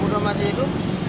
udah masih hidup